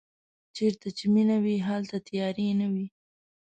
چېرته چې مینه وي هلته تیارې نه وي.